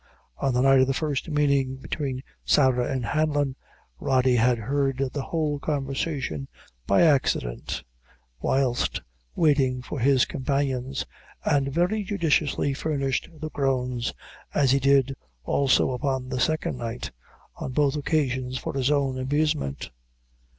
On the night of the first meeting between Sarah and Hanlon, Rody had heard the whole conversation by accident, whilst waiting for his companions, and very judiciously furnished the groans, as he did also upon the second night, on both occasions for his own amusement.